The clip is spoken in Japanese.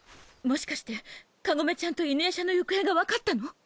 もしかしてかごめちゃんと犬夜叉の行方がわかったの？